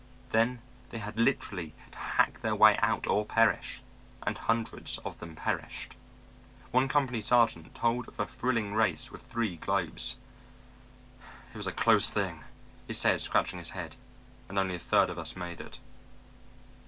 Then they had literally to hack their way out or perish; and hundreds of them perished. One company sergeant told of a thrilling race with three globes. "It was a close thing," he said, scratching his head, "and only a third of us made it."